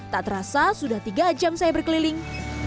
tak terasa sudah tiga jam saya berkeliling